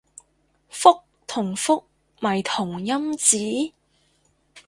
覆同復咪同音字